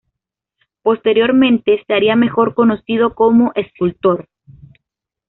Posteriormente se haría mejor conocido como escultor.